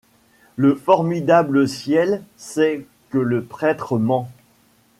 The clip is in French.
Le formidable ciel sait que le prêtre ment.